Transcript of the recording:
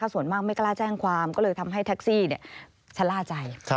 ส่วนมากไม่กล้าแจ้งความก็เลยทำให้แท็กซี่ชะล่าใจ